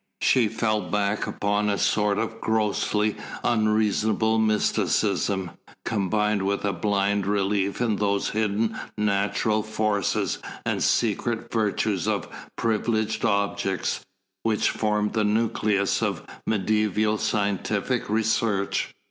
She fell back upon a sort of grossly unreasonable mysticism, combined with a blind belief in those hidden natural forces and secret virtues of privileged objects, which formed the nucleus of mediaeval scientific research.